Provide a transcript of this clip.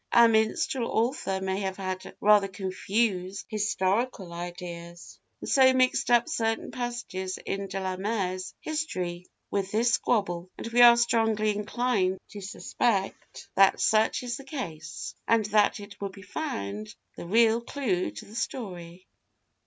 Our minstrel author may have had rather confused historical ideas, and so mixed up certain passages in De la Mare's history with this squabble; and we are strongly inclined to suspect that such is the case, and that it will be found the real clue to the story.